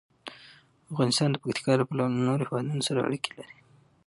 افغانستان د پکتیکا له پلوه له نورو هېوادونو سره اړیکې لري.